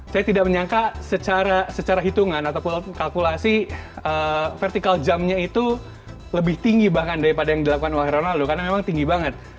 saya tidak menyangka secara hitungan ataupun kalkulasi vertikal jamnya itu lebih tinggi bahkan daripada yang dilakukan oleh ronaldo karena memang tinggi banget